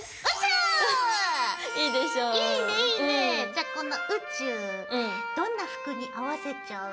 じゃあこの宇宙どんな服に合わせちゃう？